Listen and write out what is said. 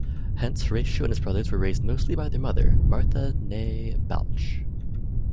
Hence, Horatio and his brothers were raised mostly by their mother, Martha nee Balch.